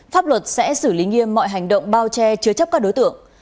pháp luật sẽ xử lý nghiêm mọi hành động bao che chứa chấp các đối tượng